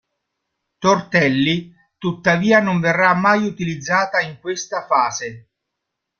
Tortelli tuttavia non verrà mai utilizzata in questa fase.